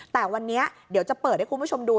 แต่วันนี้เดี๋ยวจะเปิดให้คุณผู้ชมดู